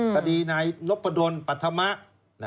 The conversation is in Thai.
คดีนายน๊อปดลปัชธรมา